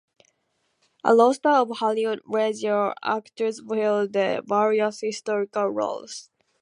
A roster of Hollywood radio actors filled the various historical roles.